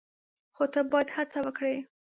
خو ته باید هڅه وکړې !